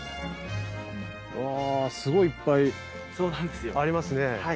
わあすごいいっぱいありますね。